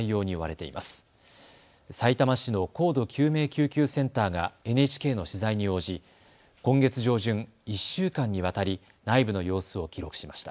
さいたま市の高度救命救急センターがＮＨＫの取材に応じ今月上旬、１週間にわたり内部の様子を記録しました。